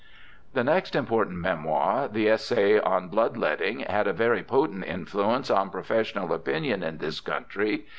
The next important memoir, the essay on Blood letting, had a very potent influence on professional opinion in this country.